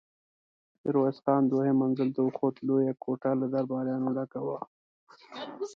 ميرويس خان دوهم منزل ته وخوت، لويه کوټه له درباريانو ډکه وه.